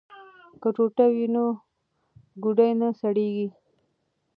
که ټوټه وي نو ګوډی نه سړیږي.